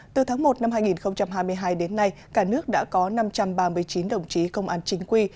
từ tháng một năm hai nghìn hai mươi hai đến nay cả nước đã có năm trăm ba mươi chín đồng chí công an chính quy